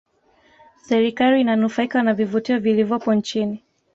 serikali inanufaika na vivutio vilivopo nchini